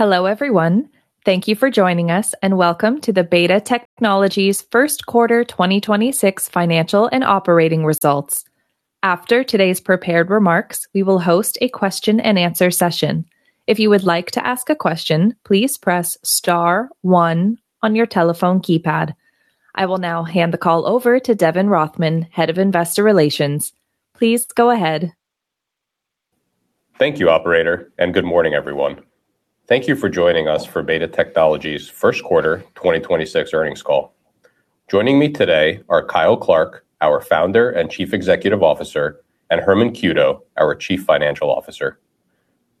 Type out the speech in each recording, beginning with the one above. Hello, everyone. Thank you for joining us. Welcome to the BETA Technologies 1st quarter 2026 financial and operating results. After today's prepared remarks, we will host a Q and A session. If you would like to ask a question, please press star one on your telephone keypad. I will now hand the call over to Devon Rothman, Head of Investor Relations. Please go ahead. Thank you, operator, good morning, everyone. Thank you for joining us for BETA Technologies first quarter 2026 earnings call. Joining me today are Kyle Clark, our Founder and Chief Executive Officer, and Herman Cueto, our Chief Financial Officer.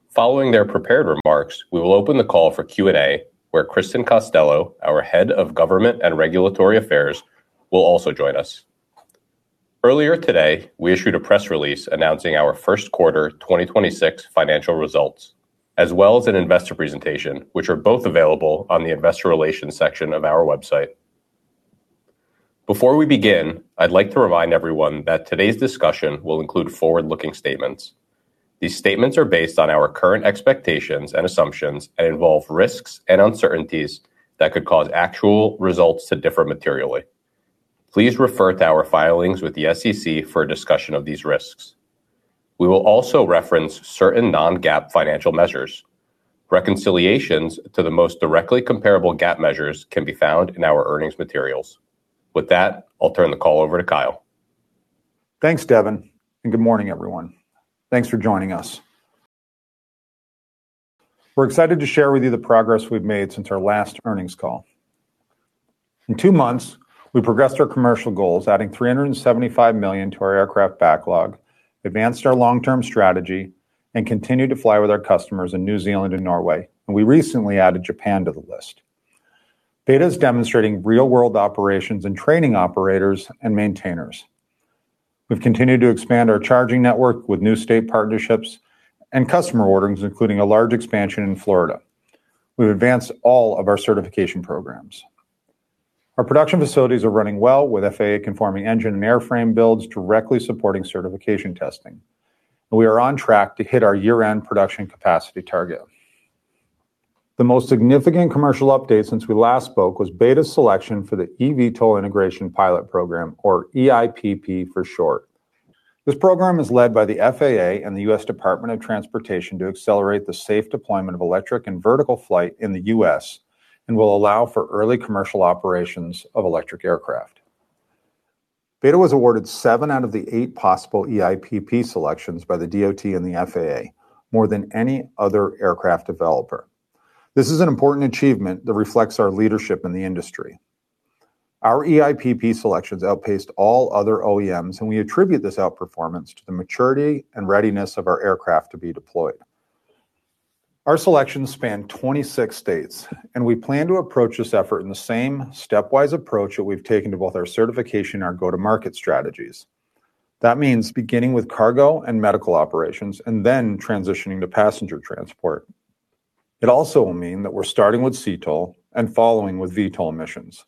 Following their prepared remarks, we will open the call for Q and A, where Kristen Costello, our Head of Government and Regulatory Affairs, will also join us. Earlier today, we issued a press release announcing our first quarter 2026 financial results, as well as an investor presentation, which are both available on the investor relations section of our website. Before we begin, I'd like to remind everyone that today's discussion will include forward-looking statements. These statements are based on our current expectations and assumptions and involve risks and uncertainties that could cause actual results to differ materially. Please refer to our filings with the SEC for a discussion of these risks. We will also reference certain non-GAAP financial measures. Reconciliations to the most directly comparable GAAP measures can be found in our earnings materials. With that, I'll turn the call over to Kyle. Thanks, Devon, and good morning, everyone. Thanks for joining us. We're excited to share with you the progress we've made since our last earnings call. In two months, we progressed our commercial goals, adding $375 million to our aircraft backlog, advanced our long-term strategy, and continued to fly with our customers in New Zealand and Norway, and we recently added Japan to the list. BETA is demonstrating real-world operations and training operators and maintainers. We've continued to expand our charging network with new state partnerships and customer orders, including a large expansion in Florida. We've advanced all of our certification programs. Our production facilities are running well with FAA-conforming engine and airframe builds directly supporting certification testing, and we are on track to hit our year-end production capacity target. The most significant commercial update since we last spoke was BETA's selection for the eVTOL Integration Pilot Program or eIPP for short. This program is led by the FAA and the U.S. Department of Transportation to accelerate the safe deployment of electric and vertical flight in the U.S. and will allow for early commercial operations of electric aircraft. BETA was awarded seven out of the eight possible eIPP selections by the DOT and the FAA, more than any other aircraft developer. This is an important achievement that reflects our leadership in the industry. Our eIPP selections outpaced all other OEMs. We attribute this outperformance to the maturity and readiness of our aircraft to be deployed. Our selections span 26 states. We plan to approach this effort in the same stepwise approach that we've taken to both our certification and our go-to-market strategies. That means beginning with cargo and medical operations and then transitioning to passenger transport. It also will mean that we're starting with CTOL and following with VTOL missions.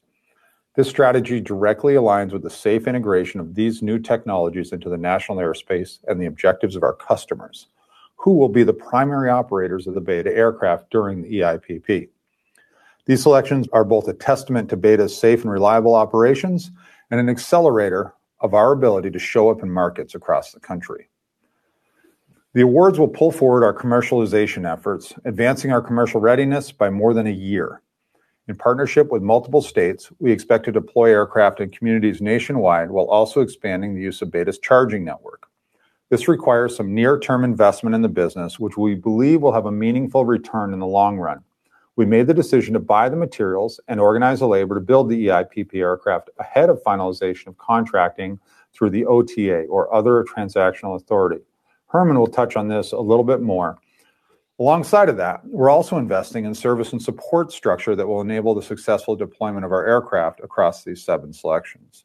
This strategy directly aligns with the safe integration of these new technologies into the national airspace and the objectives of our customers, who will be the primary operators of the BETA aircraft during the eIPP. These selections are both a testament to BETA's safe and reliable operations and an accelerator of our ability to show up in markets across the country. The awards will pull forward our commercialization efforts, advancing our commercial readiness by more than a year. In partnership with multiple states, we expect to deploy aircraft in communities nationwide while also expanding the use of BETA's charging network. This requires some near-term investment in the business, which we believe will have a meaningful return in the long run. We made the decision to buy the materials and organize the labor to build the eIPP aircraft ahead of finalization of contracting through the OTA or other transactional authority. Herman will touch on this a little bit more. Alongside of that, we're also investing in service and support structure that will enable the successful deployment of our aircraft across these seven selections.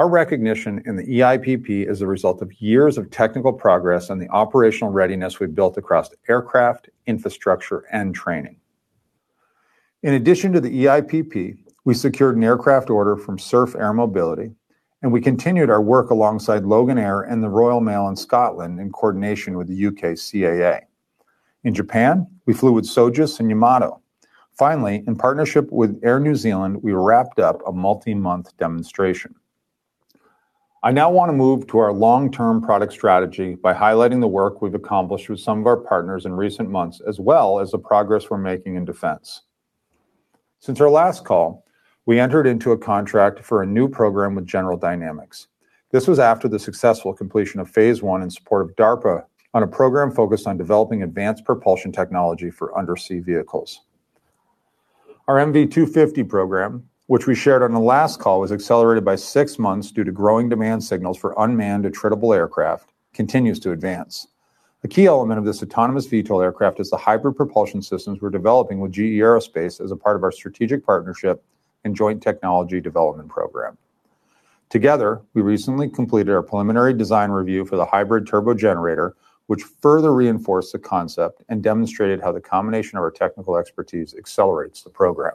Our recognition in the eIPP is a result of years of technical progress and the operational readiness we've built across aircraft, infrastructure, and training. In addition to the eIPP, we secured an aircraft order from Surf Air Mobility, and we continued our work alongside Loganair and the Royal Mail in Scotland in coordination with the UK CAA. In Japan, we flew with Sojitz and Yamato. Finally, in partnership with Air New Zealand, we wrapped up a multi-month demonstration. I now want to move to our long-term product strategy by highlighting the work we've accomplished with some of our partners in recent months as well as the progress we're making in defense. Since our last call, we entered into a contract for a new program with General Dynamics. This was after the successful completion of phase I in support of DARPA on a program focused on developing advanced propulsion technology for undersea vehicles. Our MV250 program, which we shared on the last call, was accelerated by six months due to growing demand signals for unmanned attritable aircraft continues to advance. A key element of this autonomous VTOL aircraft is the hybrid propulsion systems we're developing with GE Aerospace as a part of our strategic partnership and joint technology development program. Together, we recently completed our preliminary design review for the hybrid turbo generator, which further reinforced the concept and demonstrated how the combination of our technical expertise accelerates the program.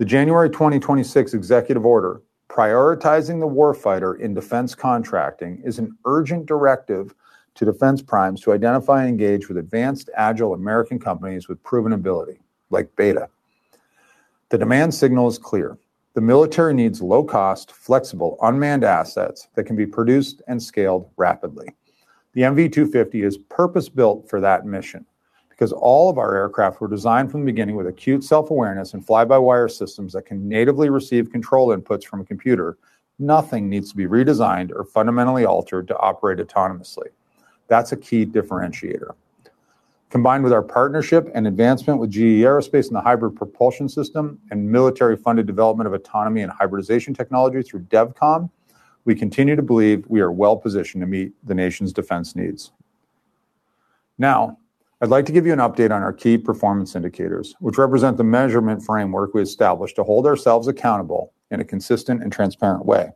The January 2026 executive order prioritizing the war fighter in defense contracting is an urgent directive to defense primes to identify and engage with advanced agile American companies with proven ability, like BETA. The demand signal is clear: the military needs low-cost, flexible, unmanned assets that can be produced and scaled rapidly. The MV-250 is purpose-built for that mission because all of our aircraft were designed from the beginning with acute self-awareness and fly-by-wire systems that can natively receive control inputs from a computer. Nothing needs to be redesigned or fundamentally altered to operate autonomously. That's a key differentiator. Combined with our partnership and advancement with GE Aerospace and the hybrid propulsion system and military-funded development of autonomy and hybridization technology through DEVCOM, we continue to believe we are well-positioned to meet the nation's defense needs. I'd like to give you an update on our key performance indicators, which represent the measurement framework we established to hold ourselves accountable in a consistent and transparent way.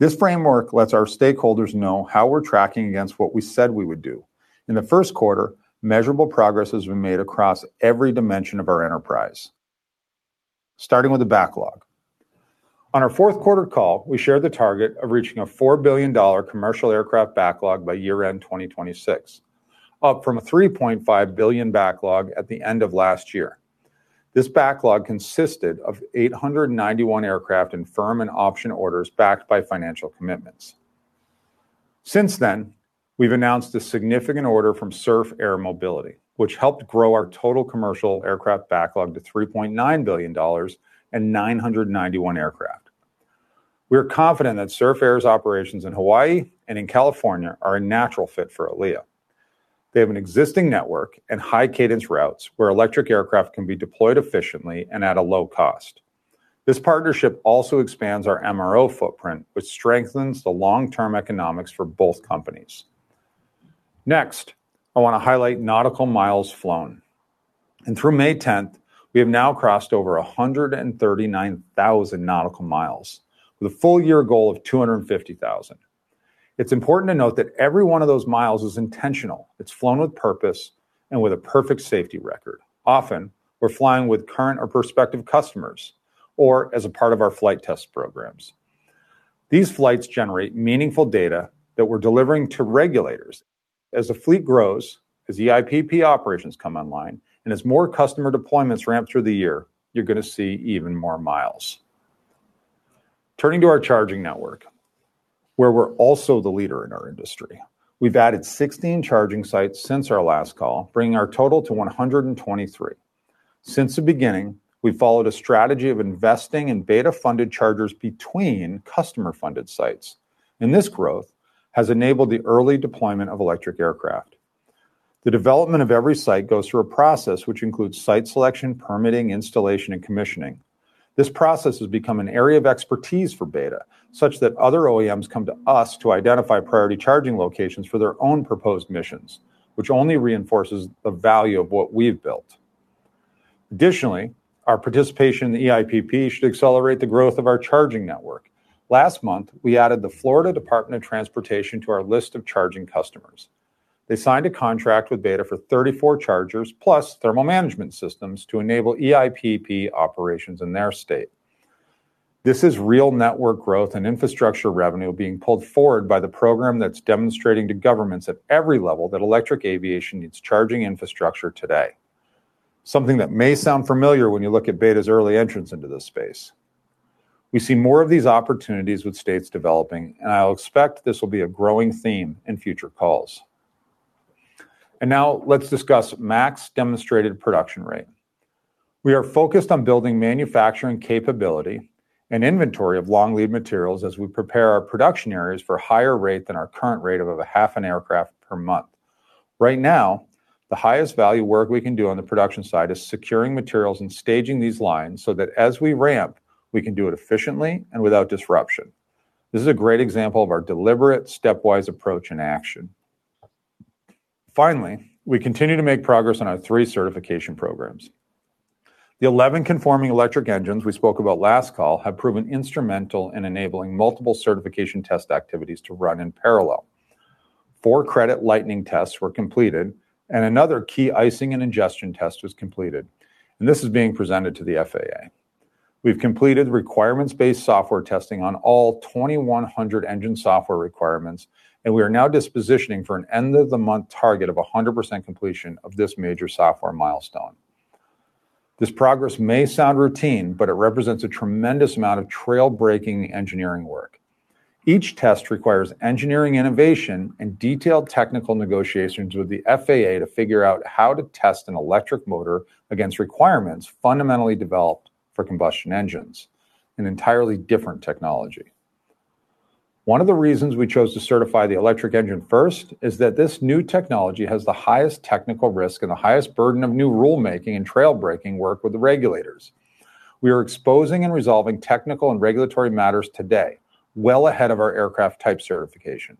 This framework lets our stakeholders know how we're tracking against what we said we would do. In the first quarter, measurable progress has been made across every dimension of our enterprise, starting with the backlog. On our fourth quarter call, we shared the target of reaching a $4 billion commercial aircraft backlog by year-end 2026, up from a $3.5 billion backlog at the end of last year. This backlog consisted of 891 aircraft in firm and option orders backed by financial commitments. Since then, we've announced a significant order from Surf Air Mobility, which helped grow our total commercial aircraft backlog to $3.9 billion and 991 aircraft. We are confident that Surf Air's operations in Hawaii and in California are a natural fit for ALIA. They have an existing network and high cadence routes where electric aircraft can be deployed efficiently and at a low cost. This partnership also expands our MRO footprint, which strengthens the long-term economics for both companies. Next, I want to highlight nautical miles flown. Through May 10th, we have now crossed over 139,000 nautical miles with a full- year goal of 250,000. It's important to note that every one of those miles is intentional. It's flown with purpose and with a perfect safety record. Often, we're flying with current or prospective customers or as a part of our flight test programs. These flights generate meaningful data that we're delivering to regulators as the fleet grows, as eIPP operations come online. As more customer deployments ramp through the year, you're going to see even more miles. Turning to our charging network, where we're also the leader in our industry. We've added 16 charging sites since our last call, bringing our total to 123. Since the beginning, we followed a strategy of investing in BETA-funded chargers between customer-funded sites. This growth has enabled the early deployment of electric aircraft. The development of every site goes through a process which includes site selection, permitting, installation, and commissioning. This process has become an area of expertise for BETA, such that other OEMs come to us to identify priority charging locations for their own proposed missions, which only reinforces the value of what we've built. Additionally, our participation in the eIPP should accelerate the growth of our charging network. Last month, we added the Florida Department of Transportation to our list of charging customers. They signed a contract with BETA for 34 chargers plus thermal management systems to enable eIPP operations in their state. This is real network growth and infrastructure revenue being pulled forward by the program that's demonstrating to governments at every level that electric aviation needs charging infrastructure today. Something that may sound familiar when you look at BETA's early entrance into this space. We see more of these opportunities with states developing, and I'll expect this will be a growing theme in future calls. Now let's discuss max demonstrated production rate. We are focused on building manufacturing capability and inventory of long lead materials as we prepare our production areas for higher rate than our current rate of a half an aircraft per month. Right now, the highest value work we can do on the production side is securing materials and staging these lines so that as we ramp, we can do it efficiently and without disruption. This is a great example of our deliberate stepwise approach in action. Finally, we continue to make progress on our three certification programs. The 11 conforming electric engines we spoke about last call have proven instrumental in enabling multiple certification test activities to run in parallel. four credit lightning tests were completed and another key icing and ingestion test was completed. This is being presented to the FAA. We've completed requirements-based software testing on all 2,100 engine software requirements, and we are now dispositioning for an end of the month target of 100% completion of this major software milestone. This progress may sound routine, but it represents a tremendous amount of trail-breaking engineering work. Each test requires engineering innovation and detailed technical negotiations with the FAA to figure out how to test an electric motor against requirements fundamentally developed for combustion engines, an entirely different technology. One of the reasons we chose to certify the electric engine first is that this new technology has the highest technical risk and the highest burden of new rulemaking and trail-breaking work with the regulators. We are exposing and resolving technical and regulatory matters today, well ahead of our aircraft type certification.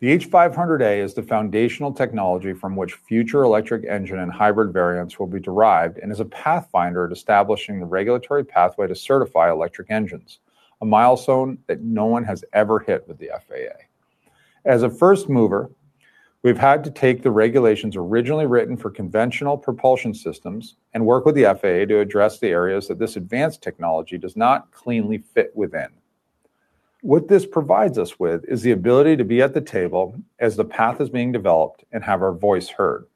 The H500A is the foundational technology from which future electric engine and hybrid variants will be derived and is a pathfinder at establishing the regulatory pathway to certify electric engines, a milestone that no one has ever hit with the FAA. As a first mover, we've had to take the regulations originally written for conventional propulsion systems and work with the FAA to address the areas that this advanced technology does not cleanly fit within. What this provides us with is the ability to be at the table as the path is being developed and have our voice heard.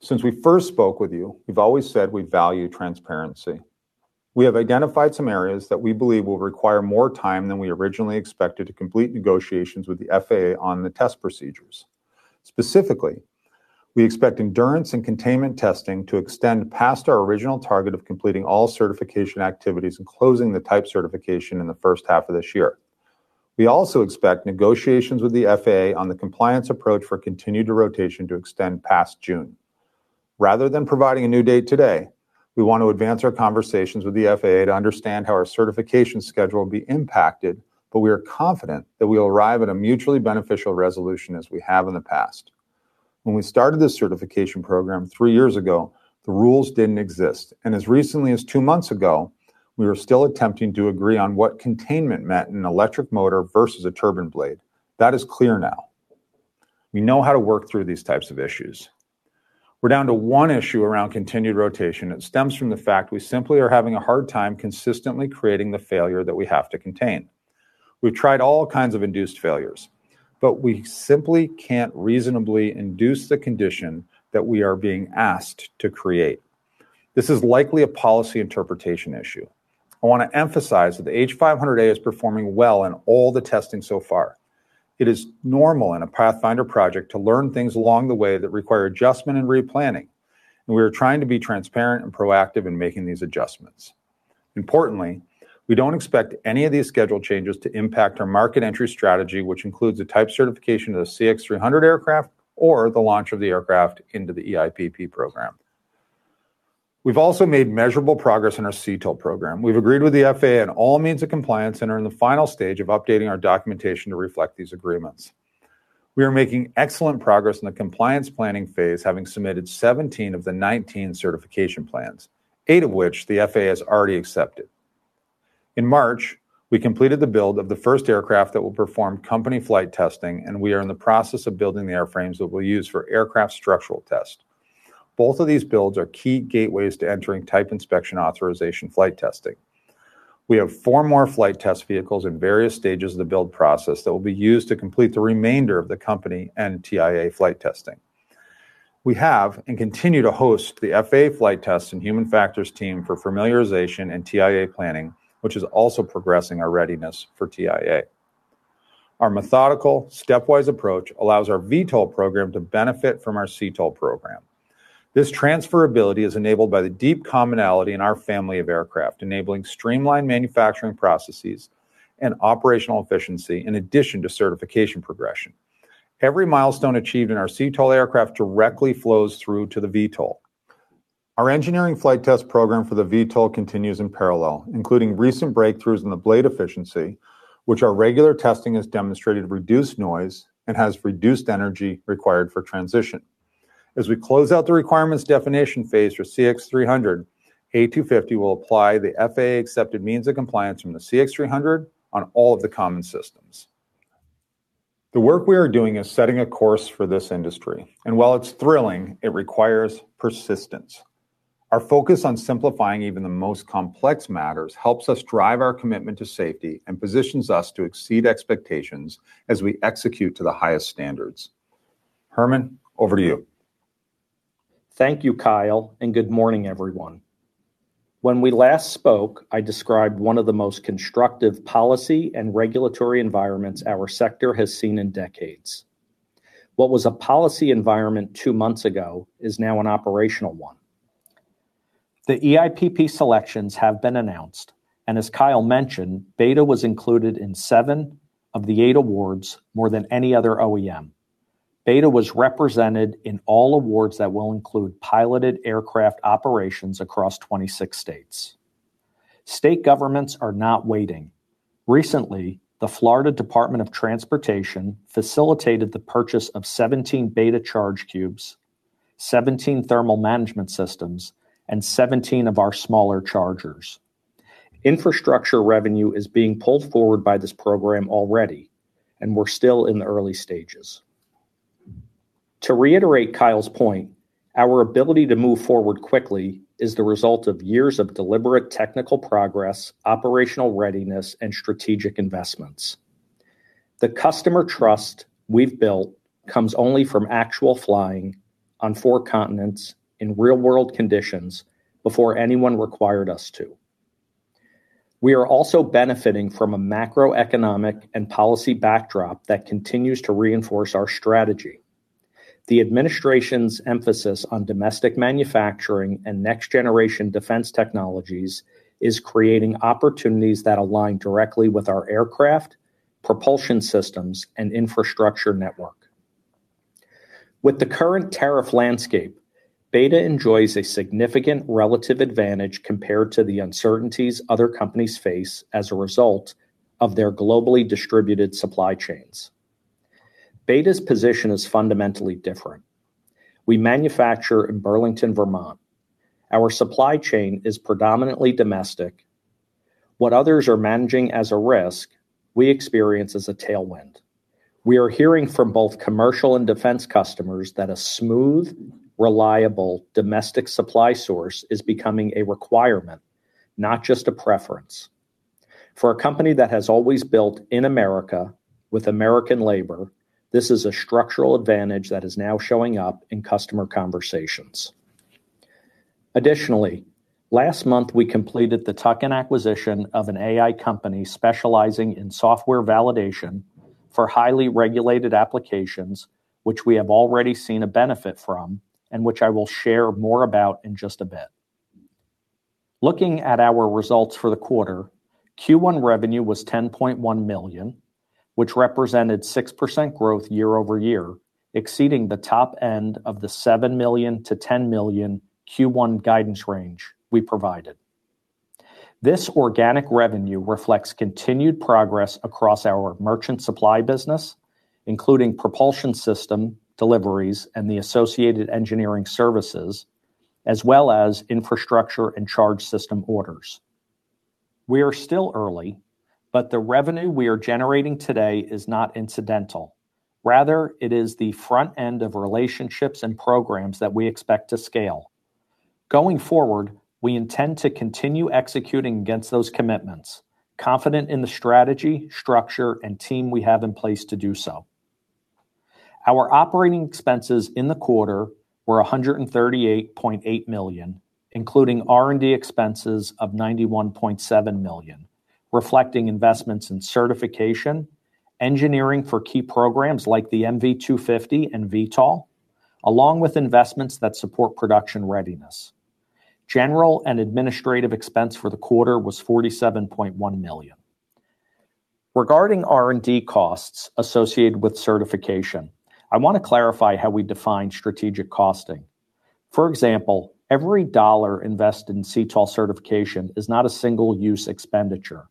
Since we first spoke with you, we've always said we value transparency. We have identified some areas that we believe will require more time than we originally expected to complete negotiations with the FAA on the test procedures. Specifically, we expect endurance and containment testing to extend past our original target of completing all certification activities and closing the type certification in the first half of this year. We also expect negotiations with the FAA on the compliance approach for continued rotation to extend past June. Rather than providing a new date today, we want to advance our conversations with the FAA to understand how our certification schedule will be impacted, but we are confident that we'll arrive at a mutually beneficial resolution as we have in the past. When we started this certification program three years ago, the rules didn't exist, and as recently as two months ago, we were still attempting to agree on what containment meant in an electric motor versus a turbine blade. That is clear now. We know how to work through these types of issues. We're down to one issue around continued rotation that stems from the fact we simply are having a hard time consistently creating the failure that we have to contain. We've tried all kinds of induced failures, but we simply can't reasonably induce the condition that we are being asked to create. This is likely a policy interpretation issue. I want to emphasize that the H500A is performing well in all the testing so far. It is normal in a pathfinder project to learn things along the way that require adjustment and replanning, and we are trying to be transparent and proactive in making these adjustments. Importantly, we don't expect any of these schedule changes to impact our market entry strategy, which includes the type certification of the CX300 aircraft or the launch of the aircraft into the eIPP program. We've also made measurable progress in our CTOL program. We've agreed with the FAA on all means of compliance and are in the final stage of updating our documentation to reflect these agreements. We are making excellent progress in the compliance planning phase, having submitted 17 of the 19 certification plans, eight of which the FAA has already accepted. In March, we completed the build of the first aircraft that will perform company flight testing, and we are in the process of building the airframes that we'll use for aircraft structural test. Both of these builds are key gateways to entering Type Inspection Authorization flight testing. We have four more flight test vehicles in various stages of the build process that will be used to complete the remainder of the company and TIA flight testing. We have and continue to host the FAA flight test and human factors team for familiarization and TIA planning, which is also progressing our readiness for TIA. Our methodical, stepwise approach allows our VTOL program to benefit from our CTOL program. This transferability is enabled by the deep commonality in our family of aircraft, enabling streamlined manufacturing processes and operational efficiency in addition to certification progression. Every milestone achieved in our CTOL aircraft directly flows through to the VTOL. Our engineering flight test program for the VTOL continues in parallel, including recent breakthroughs in the blade efficiency, which our regular testing has demonstrated reduced noise and has reduced energy required for transition. As we close out the requirements definition phase for CX-300, A250 will apply the FAA-accepted means of compliance from the CX-300 on all of the common systems. The work we are doing is setting a course for this industry, and while it's thrilling, it requires persistence. Our focus on simplifying even the most complex matters helps us drive our commitment to safety and positions us to exceed expectations as we execute to the highest standards. Herman, over to you. Thank you, Kyle, and good morning, everyone. When we last spoke, I described one of the most constructive policy and regulatory environments our sector has seen in decades. What was a policy environment two months ago is now an operational one. The eIPP selections have been announced, and as Kyle mentioned, BETA was included in seven of the eight awards, more than any other OEM. BETA was represented in all awards that will include piloted aircraft operations across 26 states. State governments are not waiting. Recently, the Florida Department of Transportation facilitated the purchase of 17 BETA Charge Cubes, 17 thermal management systems, and 17 of our smaller chargers. Infrastructure revenue is being pulled forward by this program already, and we're still in the early stages. To reiterate Kyle's point, our ability to move forward quickly is the result of years of deliberate technical progress, operational readiness, and strategic investments. The customer trust we've built comes only from actual flying on four continents in real-world conditions before anyone required us to. We are also benefiting from a macroeconomic and policy backdrop that continues to reinforce our strategy. The administration's emphasis on domestic manufacturing and next-generation defense technologies is creating opportunities that align directly with our aircraft, propulsion systems, and infrastructure network. With the current tariff landscape, BETA enjoys a significant relative advantage compared to the uncertainties other companies face as a result of their globally distributed supply chains. BETA's position is fundamentally different. We manufacture in Burlington, Vermont. Our supply chain is predominantly domestic. What others are managing as a risk, we experience as a tailwind. We are hearing from both commercial and defense customers that a smooth, reliable domestic supply source is becoming a requirement, not just a preference. For a company that has always built in America with American labor, this is a structural advantage that is now showing up in customer conversations. Additionally, last month, we completed the tuck-in acquisition of an AI company specializing in software validation for highly regulated applications, which we have already seen a benefit from and which I will share more about in just a bit. Looking at our results for the quarter, Q1 revenue was $10.1 million, which represented 6% growth year-over-year, exceeding the top end of the $7 million-$10 million Q1 guidance range we provided. This organic revenue reflects continued progress across our merchant supply business, including propulsion system deliveries and the associated engineering services, as well as infrastructure and charge system orders. We are still early, but the revenue we are generating today is not incidental. Rather, it is the front end of relationships and programs that we expect to scale. Going forward, we intend to continue executing against those commitments, confident in the strategy, structure, and team we have in place to do so. Our operating expenses in the quarter were $138.8 million, including R&D expenses of $91.7 million, reflecting investments in certification, engineering for key programs like the MV-250 and VTOL, along with investments that support production readiness. General and administrative expense for the quarter was $47.1 million. Regarding R&D costs associated with certification, I want to clarify how we define strategic costing. For example, every $1 invested in CTOL certification is not a single-use expenditure.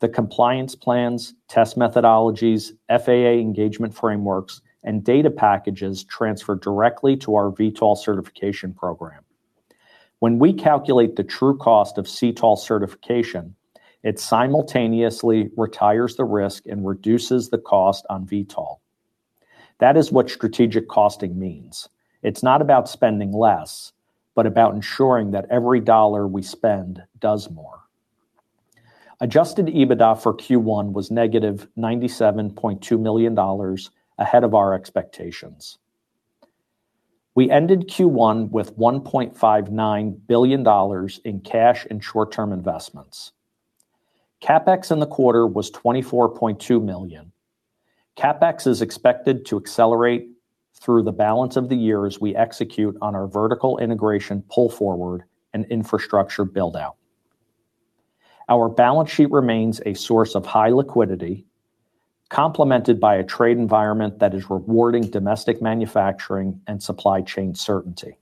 The compliance plans, test methodologies, FAA engagement frameworks, and data packages transfer directly to our VTOL certification program. When we calculate the true cost of CTOL certification, it simultaneously retires the risk and reduces the cost on VTOL. That is what strategic costing means. It's not about spending less, but about ensuring that every dollar we spend does more. Adjusted EBITDA for Q1 was negative $97.2 million, ahead of our expectations. We ended Q1 with $1.59 billion in cash and short-term investments. CapEx in the quarter was $24.2 million. CapEx is expected to accelerate through the balance of the year as we execute on our vertical integration pull forward and infrastructure build-out. Our balance sheet remains a source of high liquidity, complemented by a trade environment that is rewarding domestic manufacturing and supply chain certainty.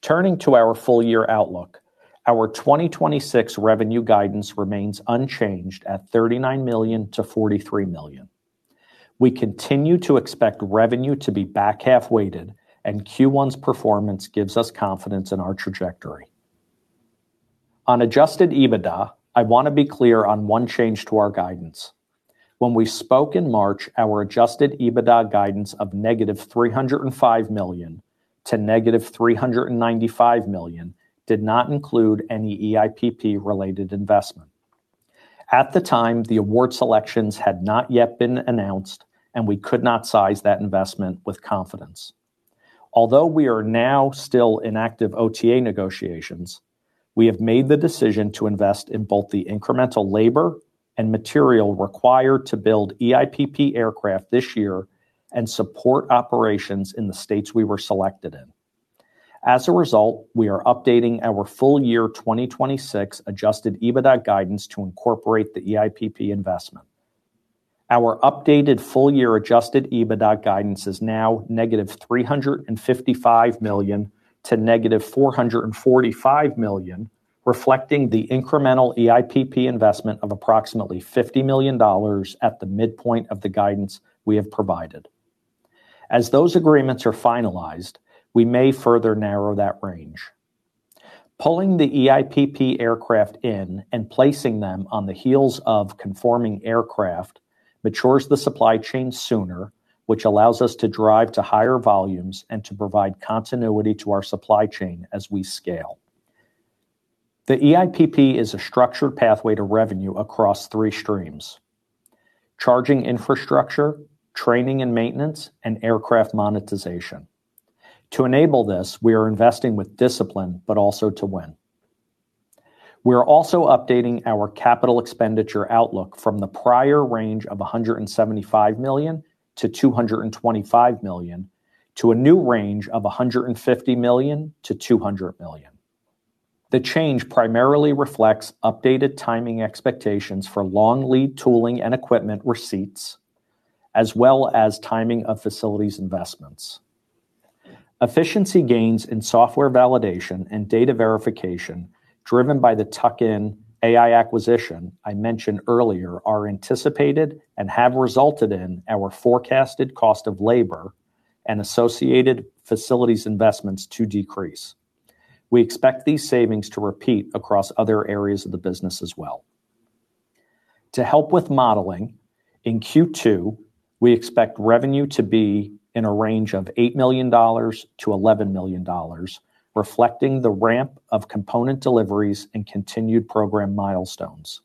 Turning to our full-year outlook, our 2026 revenue guidance remains unchanged at $39 million-$43 million. We continue to expect revenue to be back-half weighted. Q1's performance gives us confidence in our trajectory. On adjusted EBITDA, I want to be clear on one change to our guidance. When we spoke in March, our adjusted EBITDA guidance of negative $305 million to negative $395 million did not include any EIPP-related investment. At the time, the award selections had not yet been announced, and we could not size that investment with confidence. We are now still in active OTA negotiations, we have made the decision to invest in both the incremental labor and material required to build EIPP aircraft this year and support operations in the states we were selected in. We are updating our full-year 2026 adjusted EBITDA guidance to incorporate the EIPP investment. Our updated full-year adjusted EBITDA guidance is now negative $355 million to negative $445 million, reflecting the incremental eIPP investment of approximately $50 million at the midpoint of the guidance we have provided. As those agreements are finalized, we may further narrow that range. Pulling the eIPP aircraft in and placing them on the heels of conforming aircraft matures the supply chain sooner, which allows us to drive to higher volumes and to provide continuity to our supply chain as we scale. The eIPP is a structured pathway to revenue across three streams: charging infrastructure, training and maintenance, and aircraft monetization. To enable this, we are investing with discipline, but also to win. We are also updating our capital expenditure outlook from the prior range of $175 million-$225 million to a new range of $150 million-$200 million. The change primarily reflects updated timing expectations for long lead tooling and equipment receipts, as well as timing of facilities investments. Efficiency gains in software validation and data verification. Driven by the tuck-in AI acquisition I mentioned earlier are anticipated and have resulted in our forecasted cost of labor and associated facilities investments to decrease. We expect these savings to repeat across other areas of the business as well. To help with modeling, in Q2, we expect revenue to be in a range of $8 million to $11 million, reflecting the ramp of component deliveries and continued program milestones.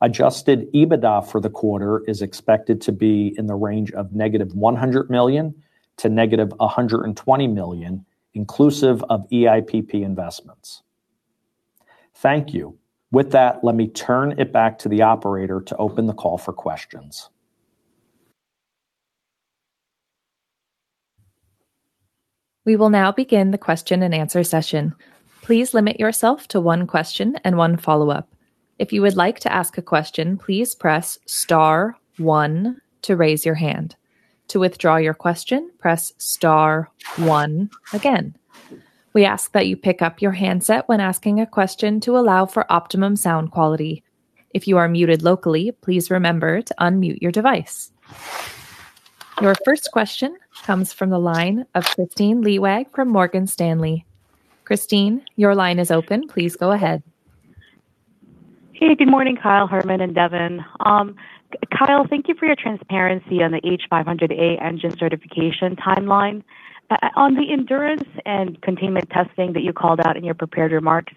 Adjusted EBITDA for the quarter is expected to be in the range of negative $100 million to negative $120 million, inclusive of eIPP investments. Thank you. With that, let me turn it back to the operator to open the call for questions. We will now begin the question and answer session. Please limit yourself to one question and one follow-up. If you would like to ask a question, please press star one to raise your hand. To withdraw your question, press star one again. We ask that you pick up your handset when asking a question to allow for optimum sound quality. If you are muted locally, please remember to unmute your device. Your first question comes from the line of Kristine Liwag from Morgan Stanley. Kristine, your line is open. Please go ahead. Hey, good morning, Kyle, Herman, and Devon. Kyle, thank you for your transparency on the H500A engine certification timeline. On the endurance and containment testing that you called out in your prepared remarks,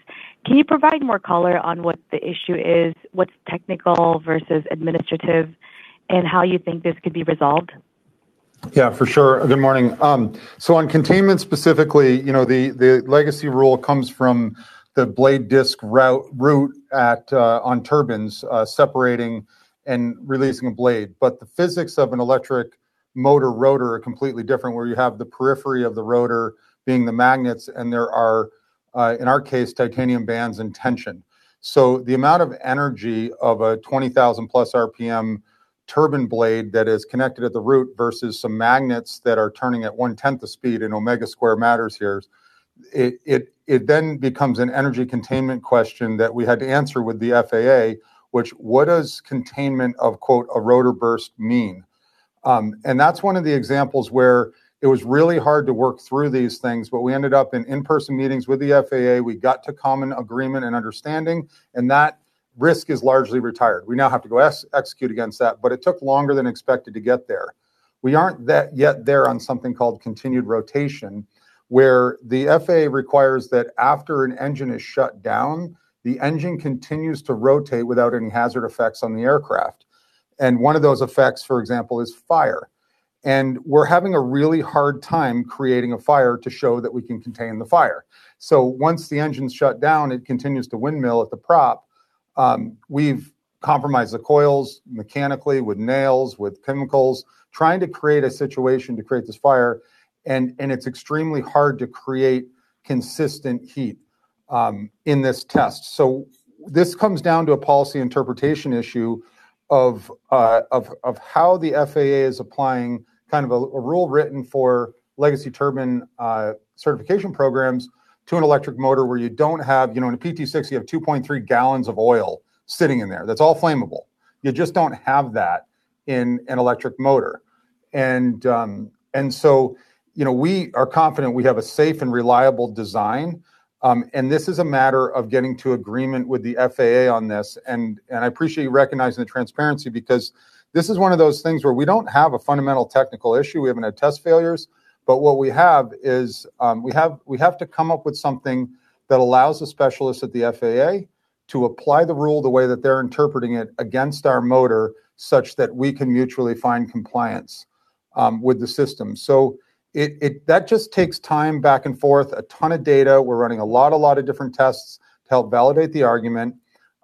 can you provide more color on what the issue is, what's technical versus administrative, and how you think this could be resolved? Yeah, for sure. Good morning. On containment specifically, you know, the legacy rule comes from the blade disk route at on turbines separating and releasing a blade. The physics of an electric motor rotor are completely different, where you have the periphery of the rotor being the magnets, and there are in our case, titanium bands in tension. The amount of energy of a 20,000 plus RPM turbine blade that is connected at the root versus some magnets that are turning at one-tenth the speed in omega square matters here. It becomes an energy containment question that we had to answer with the FAA, which what does containment of quote, a rotor burst mean? That's one of the examples where it was really hard to work through these things, but we ended up in in-person meetings with the FAA. We got to common agreement and understanding. That risk is largely retired. We now have to go execute against that, but it took longer than expected to get there. We aren't that yet there on something called continued rotation, where the FAA requires that after an engine is shut down, the engine continues to rotate without any hazard effects on the aircraft. One of those effects, for example, is fire. We're having a really hard time creating a fire to show that we can contain the fire. Once the engine's shut down, it continues to windmill at the prop. We've compromised the coils mechanically with nails, with chemicals, trying to create a situation to create this fire, and it's extremely hard to create consistent heat in this test. This comes down to a policy interpretation issue of how the FAA is applying a rule written for legacy turbine certification programs to an electric motor where you don't have You know, in a PT6 you have 2.3 gallons of oil sitting in there. That's all flammable. You just don't have that in an electric motor. You know, we are confident we have a safe and reliable design, and this is a matter of getting to agreement with the FAA on this. I appreciate you recognizing the transparency because this is one of those things where we don't have a fundamental technical issue. We haven't had test failures, but what we have is, we have to come up with something that allows the specialists at the FAA to apply the rule the way that they're interpreting it against our motor such that we can mutually find compliance with the system. That just takes time back and forth, a ton of data. We're running a lot of different tests to help validate the argument.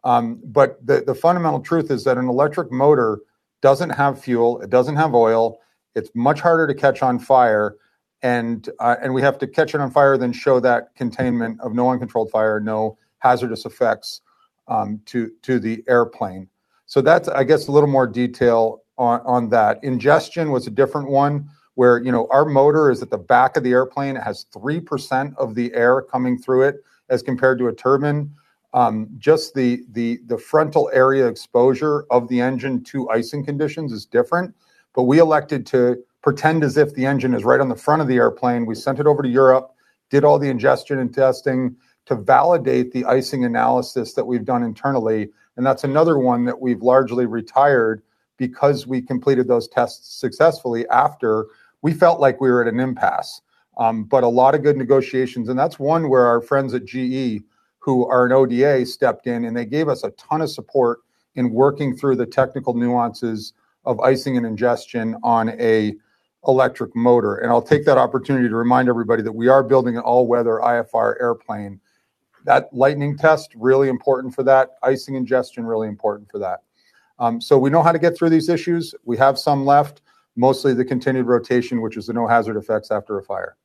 The fundamental truth is that an electric motor doesn't have fuel, it doesn't have oil, it's much harder to catch on fire and we have to catch it on fire than show that containment of no uncontrolled fire, no hazardous effects, to the airplane. That's, I guess, a little more detail on that. Ingestion was a different one where, you know, our motor is at the back of the airplane. It has 3% of the air coming through it as compared to a turbine. Just the frontal area exposure of the engine to icing conditions is different. We elected to pretend as if the engine is right on the front of the airplane. We sent it over to Europe, did all the ingestion and testing to validate the icing analysis that we've done internally. That's another one that we've largely retired because we completed those tests successfully after we felt like we were at an impasse. A lot of good negotiations. That's one where our friends at GE, who are an ODA, stepped in, and they gave us a ton of support in working through the technical nuances of icing and ingestion on a electric motor. I'll take that opportunity to remind everybody that we are building an all-weather IFR airplane. That lightning test, really important for that. Icing ingestion, really important for that. We know how to get through these issues. We have some left, mostly the continued rotation, which is the no hazard effects after a fire.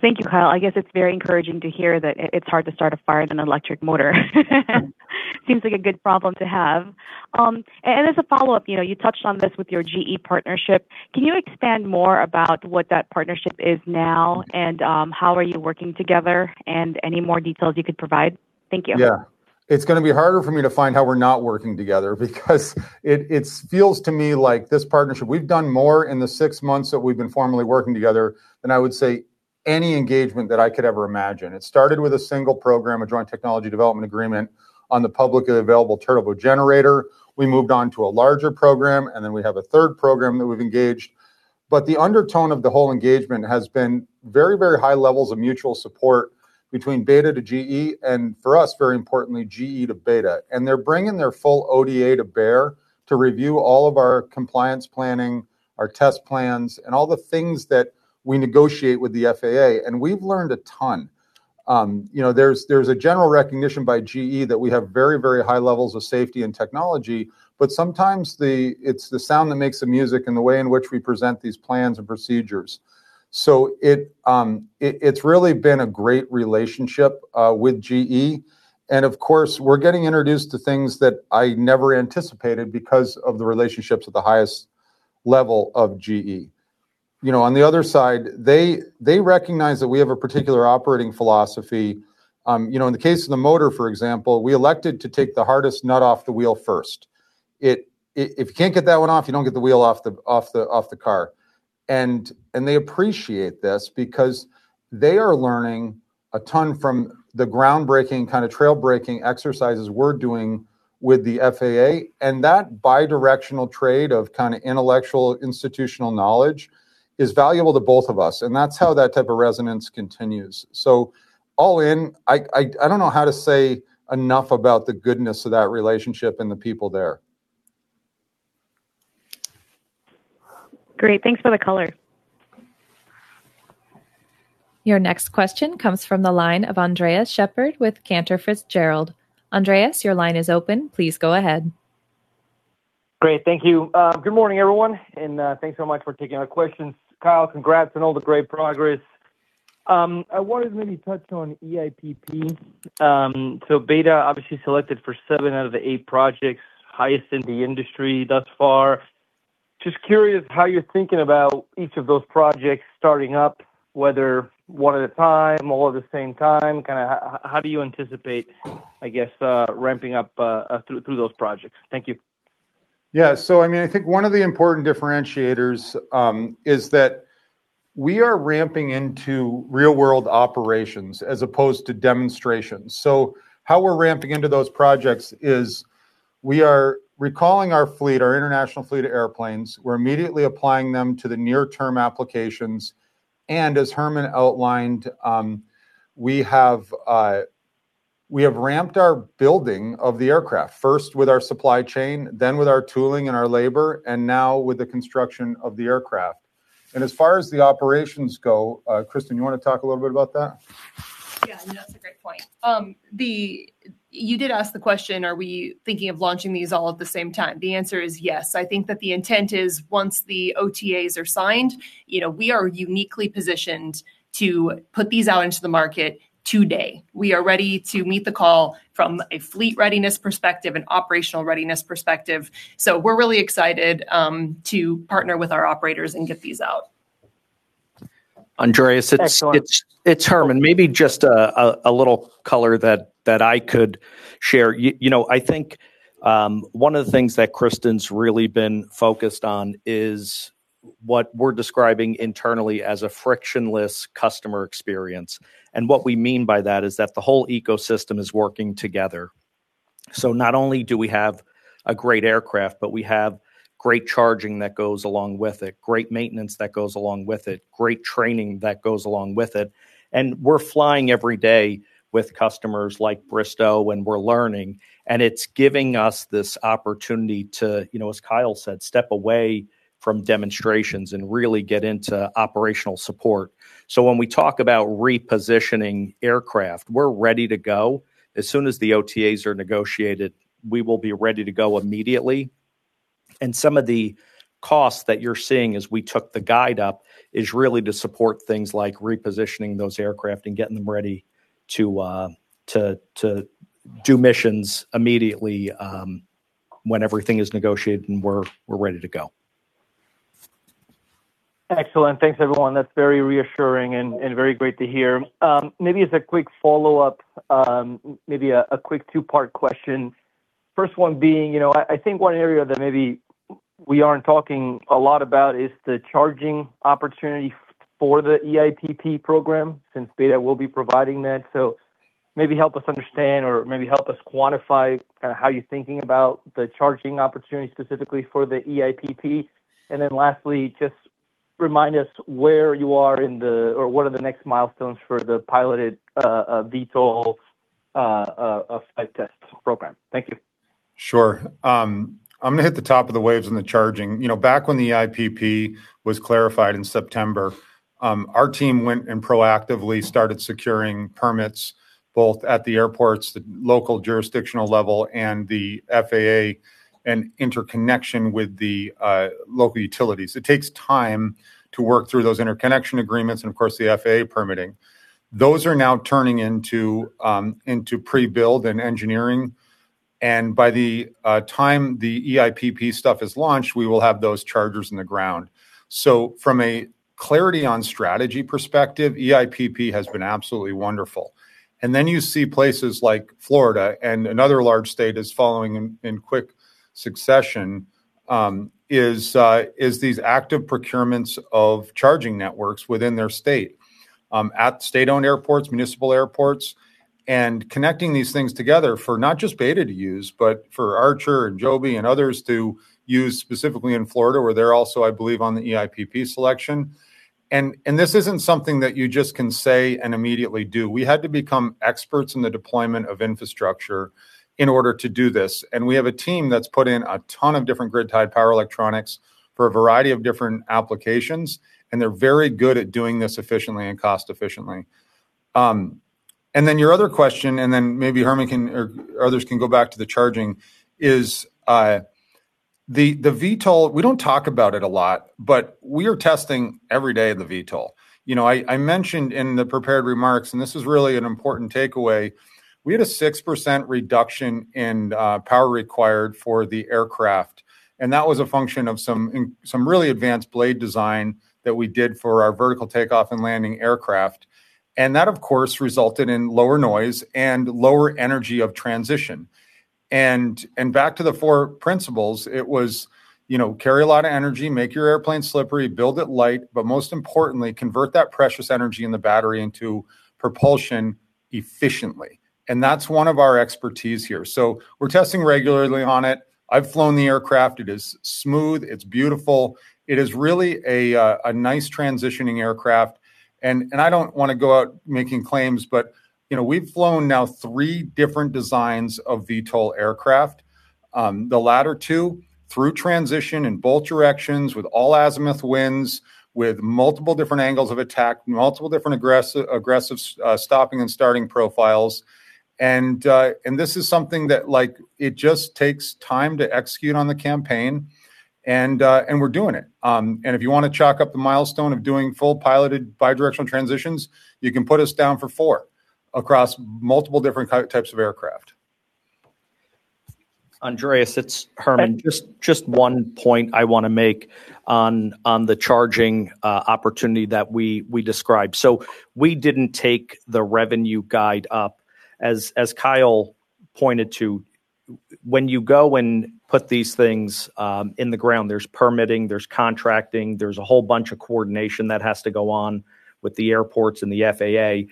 Thank you, Kyle. I guess it's very encouraging to hear that it's hard to start a fire than an electric motor. Seems like a good problem to have. As a follow-up, you know, you touched on this with your GE partnership. Can you expand more about what that partnership is now and how are you working together, and any more details you could provide? Thank you. Yeah. It's gonna be harder for me to find how we're not working together because it feels to me like this partnership, we've done more in the six months that we've been formally working together than I would say any engagement that I could ever imagine. It started with a single program, a joint technology development agreement on the publicly available turbo generator. We have a third program that we've engaged. The undertone of the whole engagement has been very, very high levels of mutual support between BETA to GE, For us, very importantly, GE to BETA. They're bringing their full ODA to bear to review all of our compliance planning, our test plans, and all the things that we negotiate with the FAA. We've learned a ton. You know, there's a general recognition by GE that we have very, very high levels of safety and technology, but sometimes it's the sound that makes the music and the way in which we present these plans and procedures. It's really been a great relationship with GE, and of course, we're getting introduced to things that I never anticipated because of the relationships at the highest level of GE. You know, on the other side, they recognize that we have a particular operating philosophy. You know, in the case of the motor, for example, we elected to take the hardest nut off the wheel first. If you can't get that one off, you don't get the wheel off the car. They appreciate this because they are learning a ton from the groundbreaking, kind of trail-breaking exercises we're doing with the FAA, and that bi-directional trade of kind of intellectual institutional knowledge is valuable to both of us, and that's how that type of resonance continues. All in, I don't know how to say enough about the goodness of that relationship and the people there. Great. Thanks for the color. Your next question comes from the line of Andres Sheppard with Cantor Fitzgerald. Andres, your line is open. Please go ahead. Great. Thank you. Good morning, everyone, and thanks so much for taking our questions. Kyle, congrats on all the great progress. I wanted to maybe touch on eIPP. So BETA obviously selected for seven out of the eight projects, highest in the industry thus far. Just curious how you're thinking about each of those projects starting up, whether one at a time, all at the same time. Kinda how do you anticipate, I guess, ramping up through those projects? Thank you. Yeah. I think one of the important differentiators is that we are ramping into real world operations as opposed to demonstrations. How we're ramping into those projects is we are recalling our fleet, our international fleet of airplanes. We're immediately applying them to the near- term applications, and as Herman outlined, we have ramped our building of the aircraft, first with our supply chain, then with our tooling and our labor, and now with the construction of the aircraft. As far as the operations go, Kristen, you wanna talk a little bit about that? Yeah. No, that's a great point. You did ask the question, are we thinking of launching these all at the same time? The answer is yes. I think that the intent is once the OTAs are signed, you know, we are uniquely positioned to put these out into the market today. We are ready to meet the call from a fleet readiness perspective, an operational readiness perspective, so we're really excited to partner with our operators and get these out. Andreas- Thanks so much. It's Herman. Maybe just a little color that I could share. You know, I think, one of the things that Kristen's really been focused on is what we're describing internally as a frictionless customer experience. What we mean by that is that the whole ecosystem is working together. Not only do we have a great aircraft, but we have great charging that goes along with it, great maintenance that goes along with it, great training that goes along with it. We're flying every day with customers like Bristow. We're learning. It's giving us this opportunity to, you know, as Kyle said, step away from demonstrations and really get into operational support. When we talk about repositioning aircraft, we're ready to go. As soon as the OTAs are negotiated, we will be ready to go immediately, and some of the costs that you're seeing as we took the guide up is really to support things like repositioning those aircraft and getting them ready to do missions immediately when everything is negotiated and we're ready to go. Excellent. Thanks, everyone. That's very reassuring and very great to hear. Maybe as a quick follow-up, maybe a quick two-part question. First one being, you know, I think one area that maybe we aren't talking a lot about is the charging opportunity for the eIPP program, since BETA will be providing that. Maybe help us understand or maybe help us quantify kinda how you're thinking about the charging opportunity specifically for the eIPP. Lastly, just remind us where you are or what are the next milestones for the piloted VTOL flight test program. Thank you. Sure. I'm gonna hit the top of the waves in the charging. You know, back when the eIPP was clarified in September, our team went and proactively started securing permits both at the airports, the local jurisdictional level, and the FAA, and interconnection with the local utilities. It takes time to work through those interconnection agreements and, of course, the FAA permitting. Those are now turning into pre-build and engineering. By the time the eIPP stuff is launched, we will have those chargers in the ground. From a clarity on strategy perspective, eIPP has been absolutely wonderful. You see places like Florida, another large state is following in quick succession, is these active procurements of charging networks within their state, at state-owned airports, municipal airports, and connecting these things together for not just BETA to use, but for Archer and Joby and others to use specifically in Florida where they're also, I believe, on the eIPP selection. This isn't something that you just can say and immediately do. We had to become experts in the deployment of infrastructure in order to do this, and we have a team that's put in a ton of different grid-tied power electronics for a variety of different applications, and they're very good at doing this efficiently and cost efficiently. Then your other question, then maybe Herman can or others can go back to the charging, is the VTOL, we don't talk about it a lot, but we are testing every day the VTOL. You know, I mentioned in the prepared remarks, this is really an important takeaway, we had a 6% reduction in power required for the aircraft, that was a function of some really advanced blade design that we did for our vertical take-off and landing aircraft. That, of course, resulted in lower noise and lower energy of transition. Back to the four principles, it was, you know, carry a lot of energy, make your airplane slippery, build it light, but most importantly, convert that precious energy in the battery into propulsion efficiently. That's one of our expertise here. We're testing regularly on it. I've flown the aircraft. It is smooth. It's beautiful. It is really a nice transitioning aircraft. I don't want to go out making claims, but, you know, we've flown now three different designs of VTOL aircraft. The latter two, through transition in both directions with all azimuth winds, with multiple different angles of attack, multiple different aggressive stopping and starting profiles. This is something that, like, it just takes time to execute on the campaign and we're doing it. If you want to chalk up the milestone of doing full piloted bi-directional transitions, you can put us down for four across multiple different types of aircraft. Andres, it's Herman. Just one point I want to make on the charging opportunity that we described. We didn't take the revenue guide up. As Kyle pointed to, when you go and put these things in the ground, there's permitting, there's contracting, there's a whole bunch of coordination that has to go on with the airports and the FAA.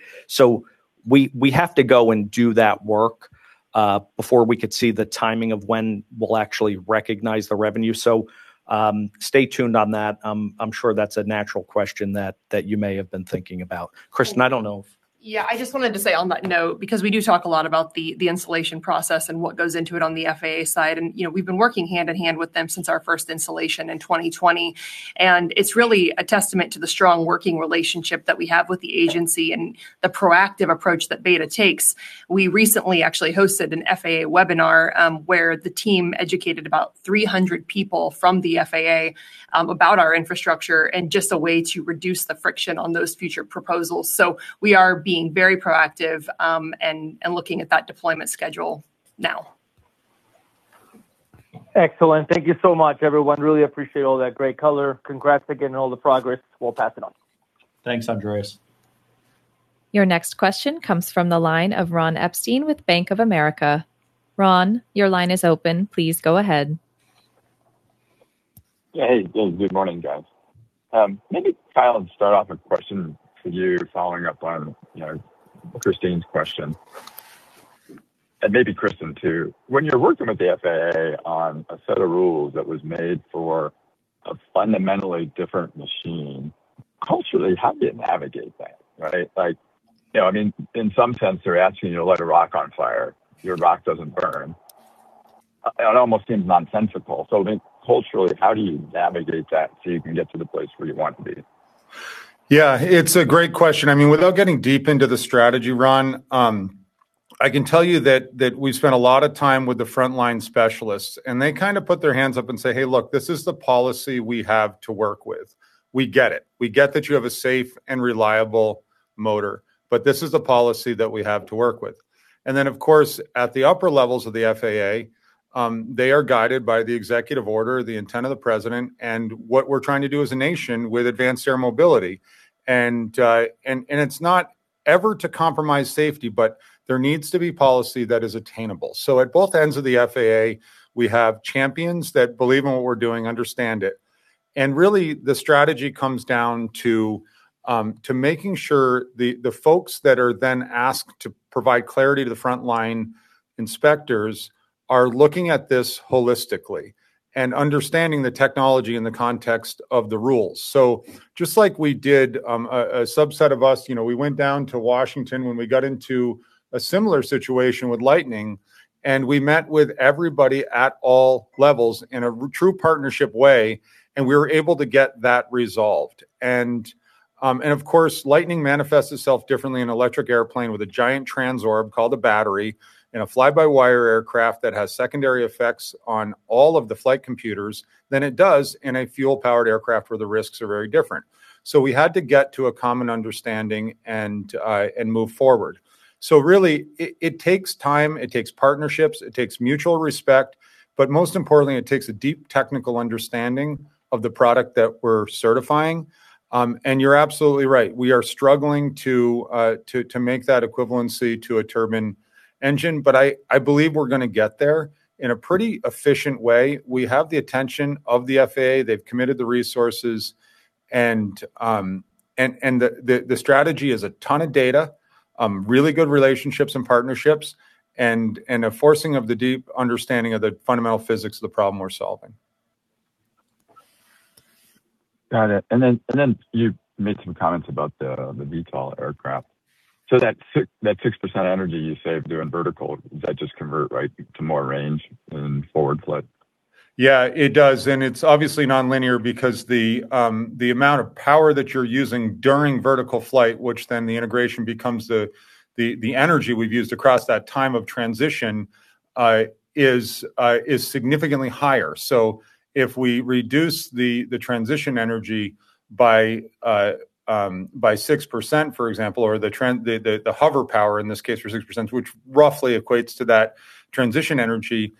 We have to go and do that work before we could see the timing of when we'll actually recognize the revenue. Stay tuned on that. I'm sure that's a natural question that you may have been thinking about. Kristen, I don't know if. Yeah, I just wanted to say on that note, because we do talk a lot about the installation process and what goes into it on the FAA side, and, you know, we've been working hand in hand with them since our first installation in 2020. It's really a testament to the strong working relationship that we have with the agency and the proactive approach that BETA takes. We recently actually hosted an FAA webinar, where the team educated about 300 people from the FAA about our infrastructure and just a way to reduce the friction on those future proposals. We are being very proactive, and looking at that deployment schedule now. Excellent. Thank you so much, everyone. Really appreciate all that great color. Congrats again on all the progress. We'll pass it on. Thanks, Andres. Your next question comes from the line of Ronald Epstein with Bank of America. Ron, your line is open. Please go ahead. Yeah. Hey. Good morning, guys. Maybe, Kyle, let's start off with a question for you following up on, you know, Kristine's question, and maybe Kristen too. When you're working with the FAA on a set of rules that was made for a fundamentally different machine, culturally, how do you navigate that, right? Like, you know, I mean, in some sense, they're asking you to light a rock on fire. Your rock doesn't burn. It almost seems nonsensical. I mean, culturally, how do you navigate that so you can get to the place where you want to be? Yeah, it's a great question. I mean, without getting deep into the strategy, Ron, I can tell you that we've spent a lot of time with the frontline specialists, and they kind of put their hands up and say, "Hey, look, this is the policy we have to work with." We get it. We get that you have a safe and reliable motor, but this is the policy that we have to work with. Then, of course, at the upper levels of the FAA, they are guided by the executive order, the intent of the president, and what we're trying to do as a nation with Advanced Air Mobility. And it's not ever to compromise safety, but there needs to be policy that is attainable. At both ends of the FAA, we have champions that believe in what we're doing, understand it. Really, the strategy comes down to making sure the folks that are then asked to provide clarity to the frontline inspectors are looking at this holistically and understanding the technology in the context of the rules. Just like we did, a subset of us, you know, we went down to Washington when we got into a similar situation with lightning, and we met with everybody at all levels in a true partnership way, and we were able to get that resolved. Of course, lightning manifests itself differently in an electric airplane with a giant transorb called a battery in a fly-by-wire aircraft that has secondary effects on all of the flight computers than it does in a fuel-powered aircraft where the risks are very different. We had to get to a common understanding and move forward. Really, it takes time, it takes partnerships, it takes mutual respect, but most importantly, it takes a deep technical understanding of the product that we're certifying. You're absolutely right. We are struggling to make that equivalency to a turbine engine. I believe we're gonna get there in a pretty efficient way. We have the attention of the FAA, they've committed the resources and the strategy is a ton of data, really good relationships and partnerships, and a forcing of the deep understanding of the fundamental physics of the problem we're solving. Got it. Then you made some comments about the VTOL aircraft. That 6% energy you save doing vertical, does that just convert right to more range in forward flight? Yeah, it does, and it's obviously non-linear because the amount of power that you're using during vertical flight, which then the integration becomes the energy we've used across that time of transition, is significantly higher. If we reduce the transition energy by 6%, for example, or the hover power in this case for 6%, which roughly equates to that transition energy,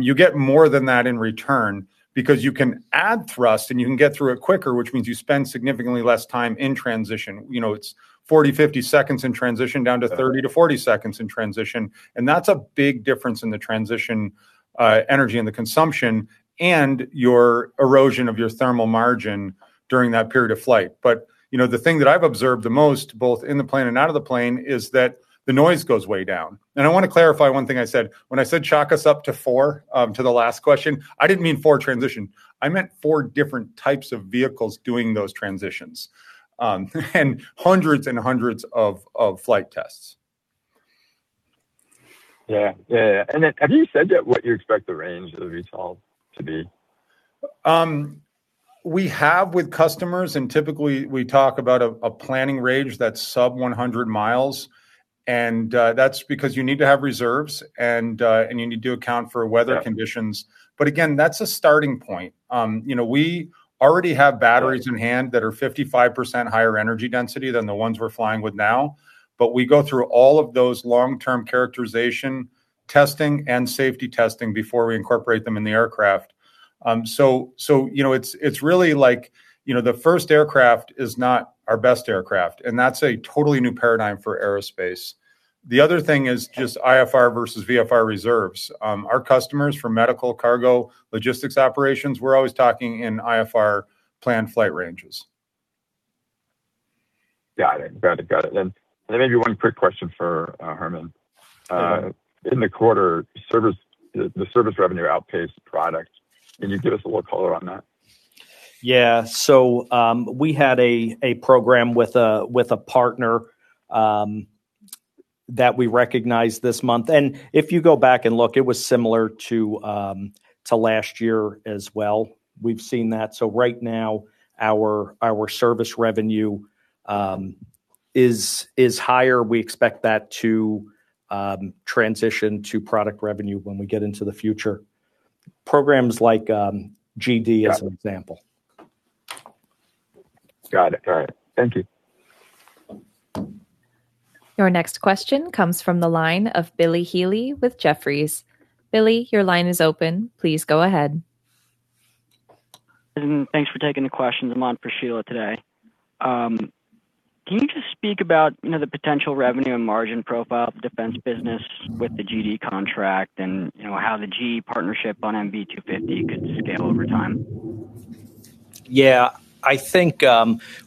you get more than that in return because you can add thrust and you can get through it quicker, which means you spend significantly less time in transition. You know, it's 40, 50 seconds in transition down to 30 to 40 seconds in transition, and that's a big difference in the transition energy and the consumption and your erosion of your thermal margin during that period of flight. You know, the thing that I've observed the most, both in the plane and out of the plane, is that the noise goes way down. I wanna clarify one thing I said. When I said chalk us up to four, to the last question, I didn't mean four transition. I meant four different types of vehicles doing those transitions. Hundreds and hundreds of flight tests. Yeah. Yeah, yeah. Have you said that what you expect the range of the VTOL to be? We have with customers, and typically we talk about a planning range that's sub 100 miles, and that's because you need to have reserves and you need to account for weather conditions. Yeah. Again, that's a starting point. You know, we already have batteries in hand that are 55% higher energy density than the ones we're flying with now, but we go through all of those long-term characterization testing and safety testing before we incorporate them in the aircraft. So, you know, it's really like, you know, the first aircraft is not our best aircraft. That's a totally new paradigm for aerospace. The other thing is just IFR versus VFR reserves. Our customers from medical cargo logistics operations, we're always talking in IFR planned flight ranges. Got it. Got it, got it. Maybe one quick question for Herman. Okay. In the quarter, the service revenue outpaced product. Can you give us a little color on that? Yeah. We had a program with a partner that we recognized this month. If you go back and look, it was similar to last year as well. We've seen that. Right now our service revenue is higher. We expect that to transition to product revenue when we get into the future. Programs like GD as an example. Got it. All right. Thank you. Your next question comes from the line of Bill Heelan with Jefferies. Billy, your line is open. Please go ahead. Thanks for taking the question. I'm on for Sheila today. Can you just speak about, you know, the potential revenue and margin profile of the defense business with the GD contract and, you know, how the GE partnership on MV-250 could scale over time? Yeah. I think,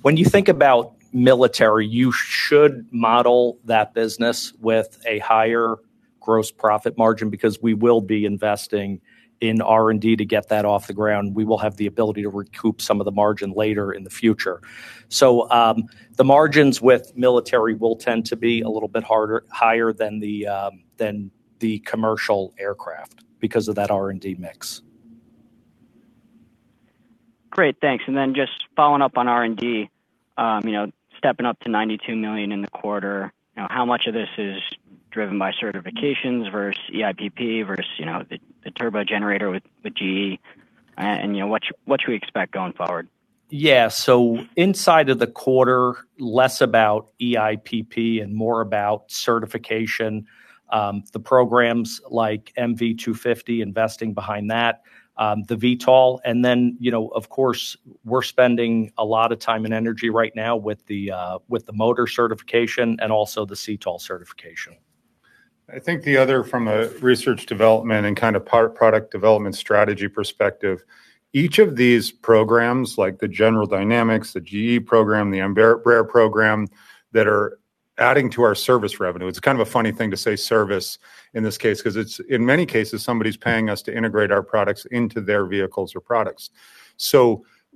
when you think about military, you should model that business with a higher gross profit margin because we will be investing in R&D to get that off the ground. We will have the ability to recoup some of the margin later in the future. The margins with military will tend to be a little bit higher than the commercial aircraft because of that R&D mix. Great. Thanks. Then just following up on R&D, you know, stepping up to $92 million in the quarter, you know, how much of this is driven by certifications versus eIPP versus, you know, the turbo generator with GE and, what should we expect going forward? Inside of the quarter, less about eIPP and more about certification. The programs like MV-250, investing behind that, the VTOL, and then, you know, of course we're spending a lot of time and energy right now with the motor certification and also the CTOL certification. I think the other from a research development and kind of product development strategy perspective, each of these programs like the General Dynamics, the GE program, the Embraer program, that are adding to our service revenue, it's kind of a funny thing to say service in this case, because it's, in many cases somebody is paying us to integrate our products into their vehicles or products.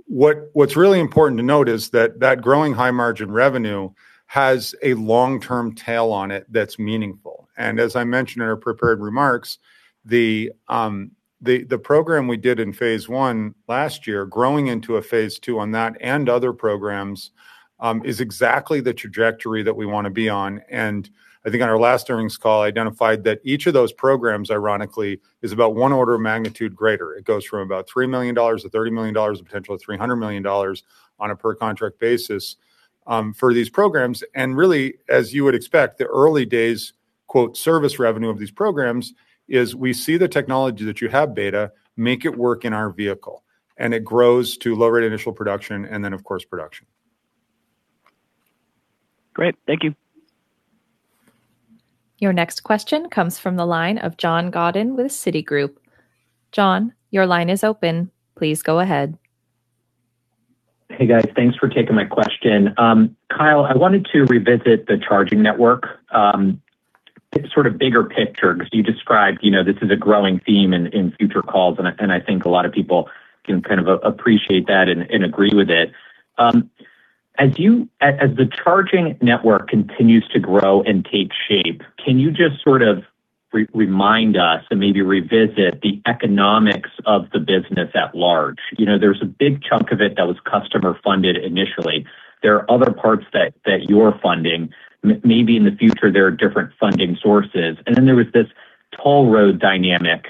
What's really important to note is that that growing high margin revenue has a long-term tail on it that is meaningful. As I mentioned in our prepared remarks, the program we did in phase I last year, growing into a phase II on that and other programs, is exactly the trajectory that we wanna be on. I think on our last earnings call, identified that each of those programs ironically is about 1 order of magnitude greater. It goes from about $3 million to $30 million, to potentially $300 million on a per contract basis. For these programs, and really, as you would expect, the early days, quote, "service revenue" of these programs is we see the technology that you have, BETA, make it work in our vehicle, and it grows to low rate initial production and then, of course, production. Great. Thank you. Your next question comes from the line of Jason Gursky with Citigroup. Jason, your line is open. Please go ahead. Hey, guys. Thanks for taking my question. Kyle, I wanted to revisit the charging network, sort of bigger picture, because you described, you know, this is a growing theme in future calls, and I think a lot of people can appreciate that and agree with it. As the charging network continues to grow and take shape, can you just sort of remind us and maybe revisit the economics of the business at large? You know, there was a big chunk of it that was customer-funded initially. There are other parts that you're funding. Maybe in the future, there are different funding sources. Then there was this toll road dynamic,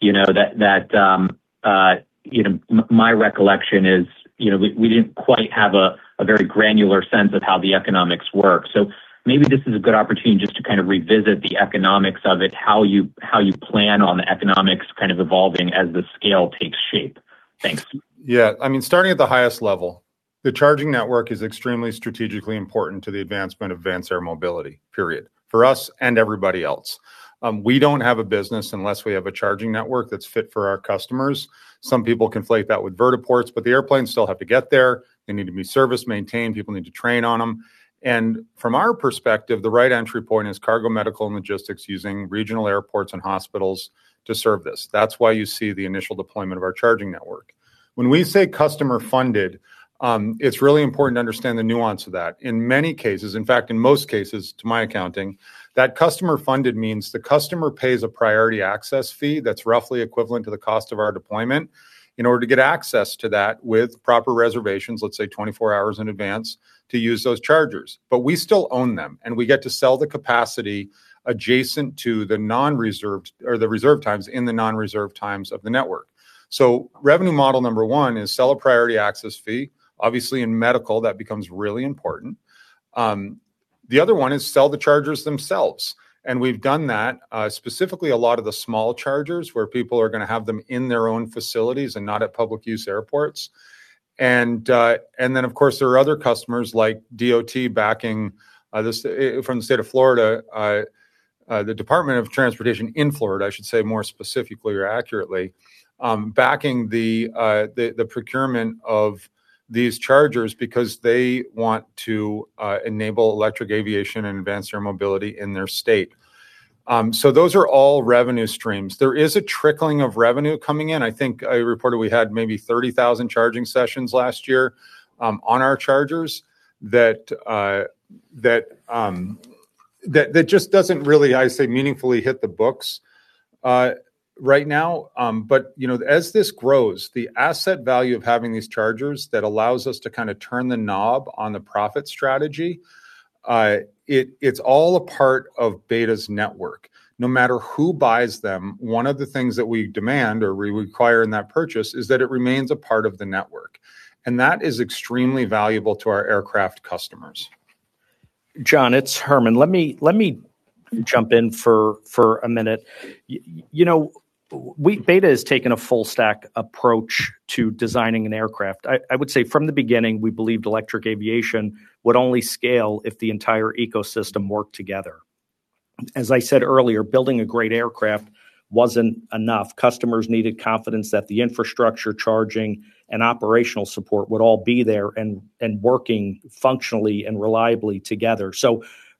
you know, that, you know, my recollection is, you know, we didn't quite have a very granular sense of how the economics work. Maybe this is a good opportunity just to kind of revisit the economics of it, how you plan on the economics kind of evolving as the scale takes shape. Thanks. Yeah. I mean, starting at the highest level, the charging network is extremely strategically important to the advancement of Advanced Air Mobility, period, for us and everybody else. We don't have a business unless we have a charging network that's fit for our customers. Some people conflate that with vertiports, the airplanes still have to get there. They need to be serviced, maintained, people need to train on them. From our perspective, the right entry point is cargo, medical, and logistics using regional airports and hospitals to serve this. That's why you see the initial deployment of our charging network. When we say customer-funded, it's really important to understand the nuance of that. In many cases, in fact, in most cases, to my accounting, that customer-funded means the customer pays a priority access fee that's roughly equivalent to the cost of our deployment in order to get access to that with proper reservations, let's say 24 hours in advance, to use those chargers. We still own them, and we get to sell the capacity adjacent to the non-reserved or the reserved times in the non-reserved times of the network. Revenue model number 1 is sell a priority access fee. Obviously, in medical, that becomes really important. The other one is sell the chargers themselves, and we've done that specifically a lot of the small chargers where people are gonna have them in their own facilities and not at public use airports. Then, of course, there are other customers like DOT backing this from the state of Florida, the Florida Department of Transportation, I should say more specifically or accurately, backing the the procurement of these chargers because they want to enable electric aviation and advance their mobility in their state. Those are all revenue streams. There is a trickling of revenue coming in. I think I reported we had maybe 30,000 charging sessions last year on our chargers that that just doesn't really, I say, meaningfully hit the books right now. You know, as this grows, the asset value of having these chargers that allows us to kind of turn the knob on the profit strategy, it it's all a part of BETA's network. No matter who buys them, one of the things that we demand or we require in that purchase is that it remains a part of the network, and that is extremely valuable to our aircraft customers. Jason, it's Herman. Let me jump in for a minute. You know, BETA has taken a full stack approach to designing an aircraft. I would say from the beginning, we believed electric aviation would only scale if the entire ecosystem worked together. As I said earlier, building a great aircraft wasn't enough. Customers needed confidence that the infrastructure, charging, and operational support would all be there and working functionally and reliably together.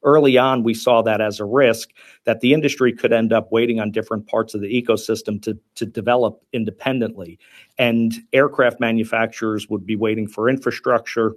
Early on, we saw that as a risk that the industry could end up waiting on different parts of the ecosystem to develop independently. Aircraft manufacturers would be waiting for infrastructure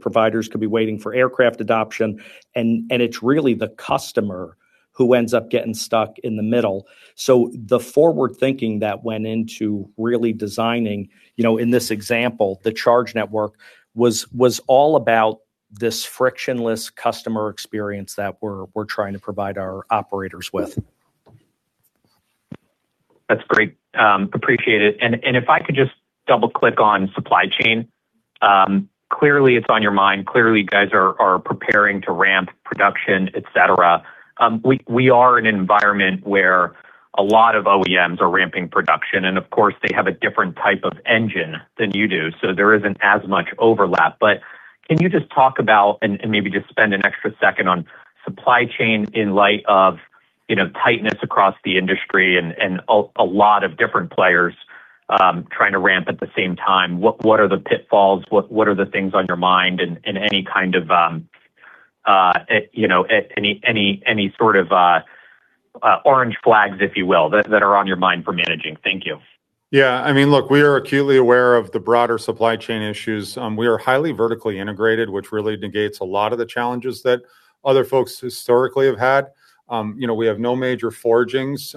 providers could be waiting for aircraft adoption, and it's really the customer who ends up getting stuck in the middle. The forward-thinking that went into really designing, you know, in this example, the charge network, was all about this frictionless customer experience that we're trying to provide our operators with. That's great. Appreciate it. If I could just double-click on supply chain. Clearly it's on your mind. Clearly you guys are preparing to ramp production, et cetera. We are an environment where a lot of OEMs are ramping production and, of course, they have a different type of engine than you do, so there isn't as much overlap. Can you just talk about, and maybe just spend an extra second on supply chain in light of, you know, tightness across the industry and a lot of different players trying to ramp at the same time. What are the pitfalls? What are the things on your mind and any kind of, you know, any sort of orange flags, if you will, that are on your mind for managing? Thank you. Yeah. I mean, look, we are acutely aware of the broader supply chain issues. We are highly vertically integrated, which really negates a lot of the challenges that other folks historically have had. You know, we have no major forgings.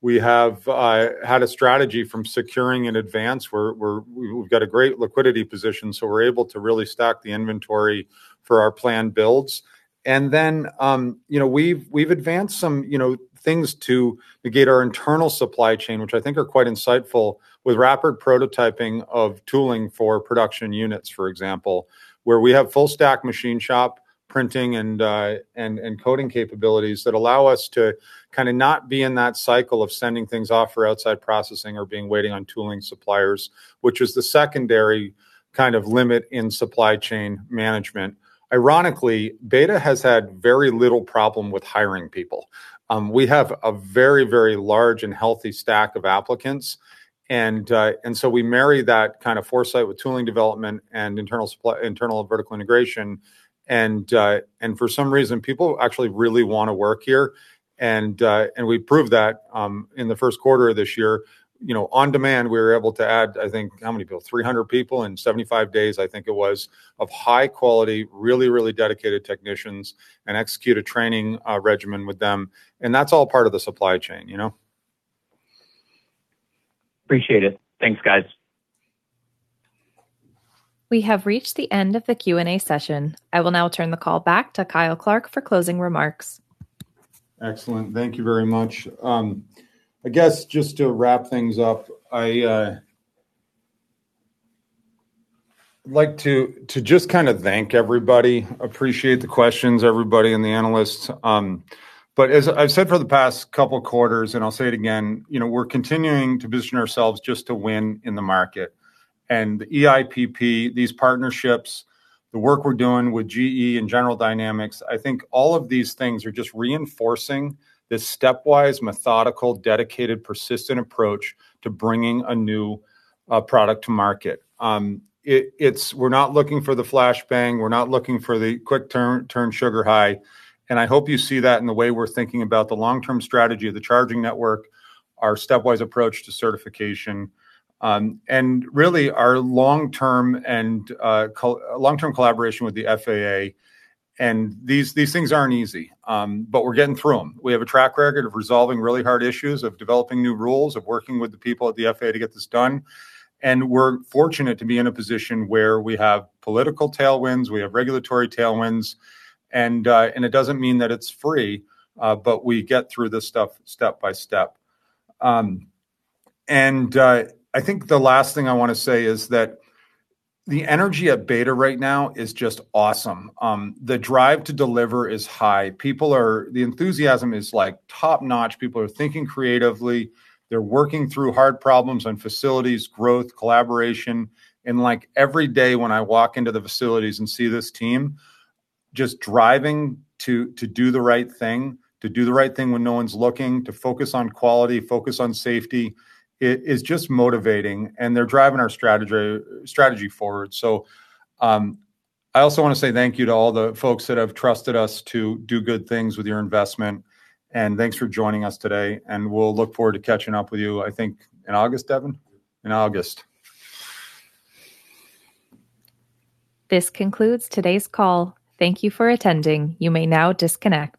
We have had a strategy from securing in advance. We've got a great liquidity position, so we're able to really stack the inventory for our planned builds. You know, we've advanced some, you know, things to negate our internal supply chain, which I think are quite insightful with rapid prototyping of tooling for production units, for example, where we have full stack machine shop printing and coding capabilities that allow us to kinda not be in that cycle of sending things off for outside processing or being waiting on tooling suppliers, which is the secondary kind of limit in supply chain management. Ironically, BETA has had very little problem with hiring people. We have a very large and healthy stack of applicants, we marry that kind of foresight with tooling development and internal vertical integration, and for some reason, people actually really wanna work here. We proved that in the first quarter of this year. You know, on demand we were able to add, I think How many people? 300 people in 75 days, I think it was, of high quality, really, really dedicated technicians, and execute a training regimen with them, and that's all part of the supply chain, you know? Appreciate it. Thanks, guys. We have reached the end of the Q and A session. I will now turn the call back to Kyle Clark for closing remarks. Excellent. Thank you very much. I guess just to wrap things up, I would like to just kind of thank everybody. Appreciate the questions, everybody and the analysts. As I've said for the past couple quarters, and I'll say it again, you know, we're continuing to position ourselves just to win in the market. eIPP, these partnerships, the work we're doing with GE and General Dynamics, I think all of these things are just reinforcing this stepwise, methodical, dedicated, persistent approach to bringing a new product to market. We're not looking for the flash bang. We're not looking for the quick turn sugar high. I hope you see that in the way we're thinking about the long-term strategy of the charging network, our stepwise approach to certification, and really our long-term collaboration with the FAA. These things aren't easy, but we're getting through them. We have a track record of resolving really hard issues, of developing new rules, of working with the people at the FAA to get this done, and we're fortunate to be in a position where we have political tailwinds, we have regulatory tailwinds and it doesn't mean that it's free, but we get through this stuff step by step. I think the last thing I wanna say is that the energy at BETA right now is just awesome. The drive to deliver is high. The enthusiasm is, like, top-notch. People are thinking creatively. They're working through hard problems on facilities, growth, collaboration. Like, every day when I walk into the facilities and see this team just driving to do the right thing, to do the right thing when no one's looking, to focus on quality, focus on safety, it is just motivating and they're driving our strategy forward. I also wanna say thank you to all the folks that have trusted us to do good things with your investment, and thanks for joining us today, and we'll look forward to catching up with you, I think in August, Devon? In August. This concludes today's call. Thank you for attending. You may now disconnect.